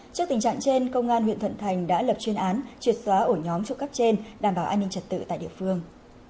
trước tình trạng trên công an huyện thuận thành đã lập chuyên án triệt xóa ổ nhóm trộm cắp trên đảm bảo an ninh trật tự tại địa phương